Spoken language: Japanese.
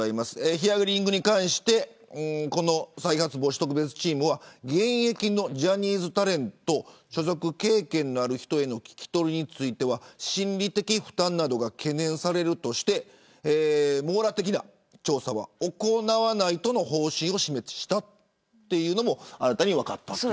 ヒアリングに関して再発防止特別チームは現役のジャニーズタレント所属経験のある人への聞き取りについては心理的負担などが懸念されるとして網羅的な調査は行わないとの方針を示したというのも新たに分かった。